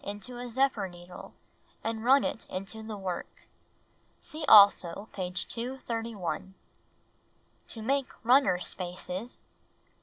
^^<^ i"to a zephyr needle, and run it into the work.'' See also page 231. To Make Runner Spaces 1.